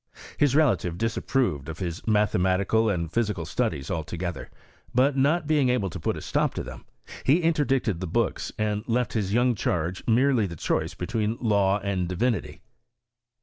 His relative disap proved of his mathematical and physical studies si together ; but, not being able to put a stop to them, he interdicted the books, and left his young charge merely the choice between law and diTtnity.